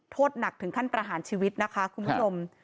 โทษหนักถึงขั้นประหารชีวิตนะคะคุณผู้ชม